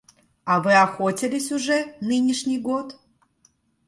А вы охотились уже нынешний год?